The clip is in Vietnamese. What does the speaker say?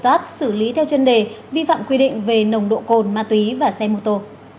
xử lý theo chuyên đề vi phạm quy định về nồng độ cồn ma túy và xe mô tô